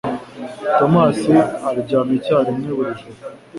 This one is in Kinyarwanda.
Tomasi aryama icyarimwe buri joro